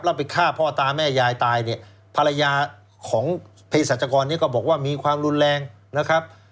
แล้วไปฆ่าพ่อตาแม่ยายตายเนี่ยภรรยาของเพศรัชกรนี้ก็บอกว่ามีความรุนแรงนะครับ